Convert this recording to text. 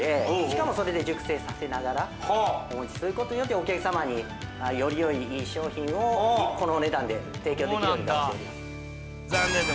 しかもそれで熟成させながらお持ちする事によってお客様により良いいい商品をこのお値段で提供できるようになっております。